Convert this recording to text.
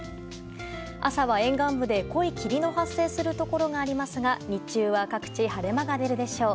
朝は沿岸部で、濃い霧の発生するところがありますが日中は各地晴れ間が出るでしょう。